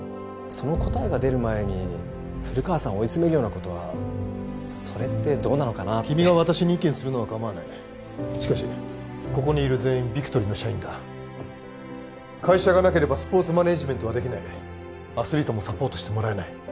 その答えが出る前に古川さんを追い詰めるようなことはそれってどうなのかなって君が私に意見するのは構わないしかしここにいる全員ビクトリーの社員だ会社がなければスポーツマネージメントはできないアスリートもサポートしてもらえない